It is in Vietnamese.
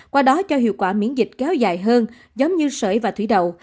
qua đó cho hiệu quả miễn dịch kéo dài hơn giống như sợi và thủy đầu